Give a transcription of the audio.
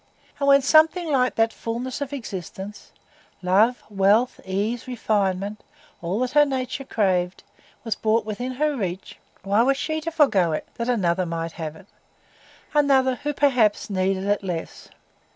And when something like that fulness of existence—love, wealth, ease, refinement, all that her nature craved—was brought within her reach, why was she to forego it, that another might have it,—another, who perhaps needed it less?